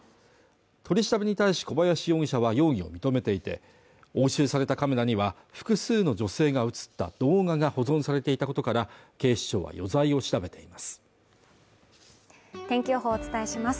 取り調べに対し小林容疑者は容疑を認めていて押収されたカメラには複数の女性が映った動画が保存されていたことから警視庁は余罪を調べています天気予報をお伝えします